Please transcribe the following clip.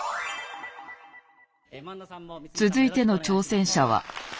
続いての挑戦者は。